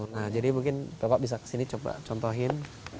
nah jadi mungkin bapak bisa kesini coba contohin